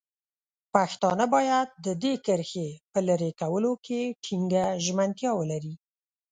پښتانه باید د دې کرښې په لرې کولو کې ټینګه ژمنتیا ولري.